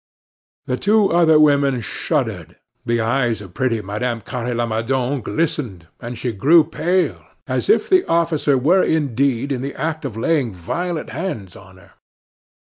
The two other women shuddered; the eyes of pretty Madame Carre Lamadon glistened, and she grew pale, as if the officer were indeed in the act of laying violent hands on her.